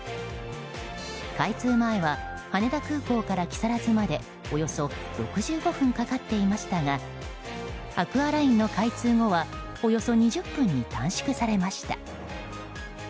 開通前は羽田空港から木更津までおよそ６５分かかっていましたがアクアラインの開通後はおよそ２０分に短縮されました。